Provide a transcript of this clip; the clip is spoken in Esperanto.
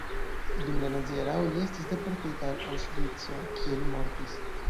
Dum la nazia erao li estis deportita al Aŭŝvico, kie li mortis.